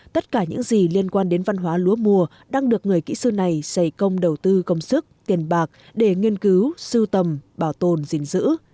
tất cả những gì liên quan đến văn hóa lúa mùa đang được người kỹ sư này dày công đầu tư công sức tiền bạc để nghiên cứu sưu tầm bảo tồn gìn giữ